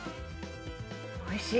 おいしい。